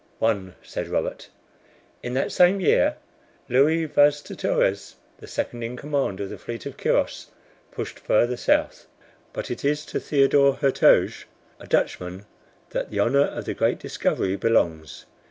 "ONE," said Robert. "In that same year, Louis Vas de Torres, the second in command of the fleet of Quiros, pushed further south. But it is to Theodore Hertoge, a Dutchman, that the honor of the great discovery belongs.